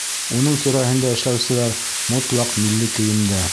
Уның тирәһендә эшләүселәр мотлаҡ милли кейемдә.